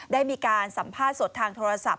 ได้มีการสัมภาษณ์สดทางโทรศัพท์